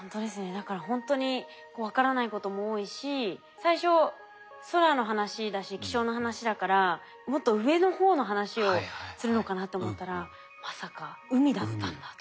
だからほんとに分からないことも多いし最初空の話だし気象の話だからもっと上の方の話をするのかなと思ったらまさか海だったんだと。